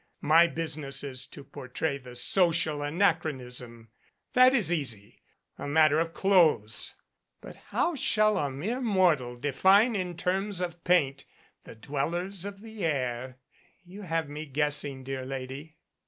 My business is to portray the social anachronism. That is easy a matter of clothes. But how shall a mere mortal define in terms of paint the dwellers of the air? You have me guess ing, dear lady.